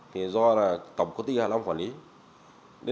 thì do là tổng công ty hạ long quản lý